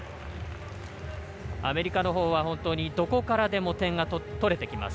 アメリカのほうはどこからでも点が取れてきます。